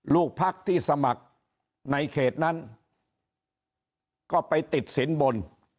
ลูกพักที่สมัครในเขตนั้นก็ไปติดสินบน